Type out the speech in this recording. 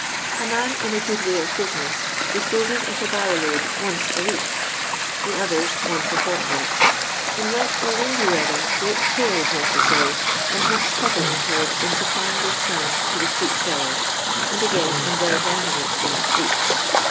A man, " in a good way of business," disposes of a barrow load once a week; the others onee a fortnight In wet or windy weather great care is necessary, and much trouble incurred in supply ing this sand to the street sellers, and again in their vending it in the streets.